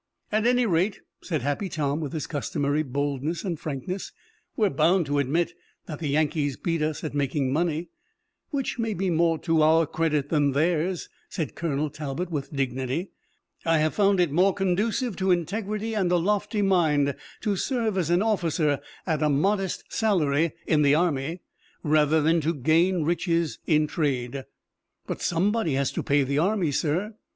"At any rate," said Happy Tom, with his customary boldness and frankness, "we're bound to admit that the Yankees beat us at making money." "Which may be more to our credit than theirs," said Colonel Talbot, with dignity. "I have found it more conducive to integrity and a lofty mind to serve as an officer at a modest salary in the army rather than to gain riches in trade." "But somebody has to pay the army, sir."